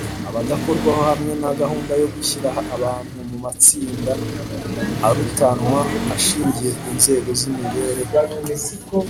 abadakorwaho hamwe na gahunda yo gushyira abantu mu matsinda arutanwa ashingiye ku nzego z’imibereho